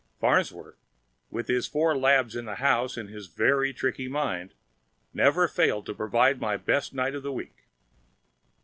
Farnsworth, with his four labs in the house and his very tricky mind, never failed to provide my best night of the week.